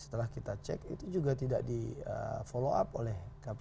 setelah kita cek itu juga tidak di follow up oleh kpk